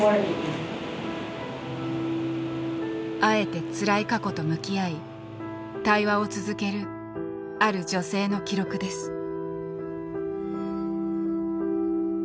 あえてつらい過去と向き合い対話を続けるある女性の記録です。